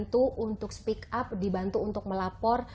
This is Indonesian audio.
untuk speak up dibantu untuk melapor